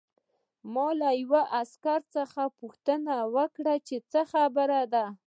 ما له یوه عسکر څخه پوښتنه وکړه چې څه خبره ده